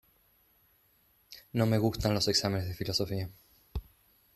No me gustan los exámenes de filosofía.